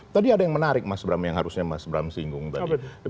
tadi ada yang menarik mas bram yang harusnya mas bram singgung tadi